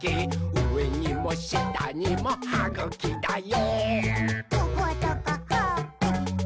うえにもしたにもはぐきだよ！」